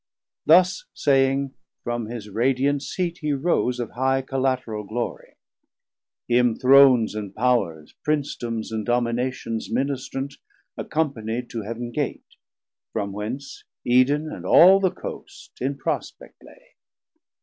Thus saying, from his radiant Seat he rose Of high collateral glorie: him Thrones and Powers, Princedoms, and Dominations ministrant Accompanied to Heaven Gate, from whence Eden and all the Coast in prospect lay.